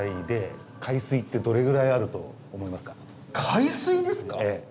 海水ですか？